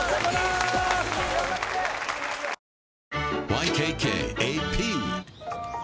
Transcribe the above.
ＹＫＫＡＰ